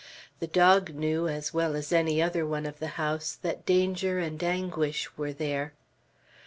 The dog knew as well as any other one of the house that danger and anguish were there.